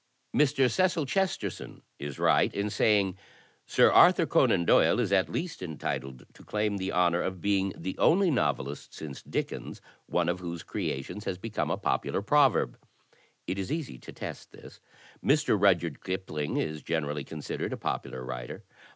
Mr. Cecil Chesterton is right in saying: "Sir Arthur Conan Doyle is at least entitled to claim the honour of being the only novelist since Dickens, one of whose creations has become a popular proverb. It is easy to test this. Mr. Rudyard Kipling is generally considered a popular writer.